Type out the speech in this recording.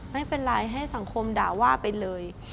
ไม่เป็นไรให้สังคมด่าว่าไปเลย